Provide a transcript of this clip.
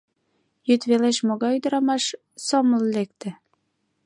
— Йӱд велеш могай ӱдырамаш сомыл лекте?